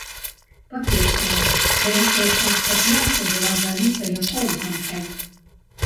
Па-першае, вялікая частка пляца была залітая коўзанкай.